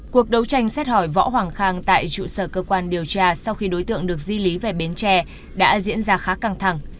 cuộc đấu tranh xét hỏi võ hoàng khang tại trụ sở cơ quan điều tra sau khi đối tượng được di lý về bến tre đã diễn ra khá căng thẳng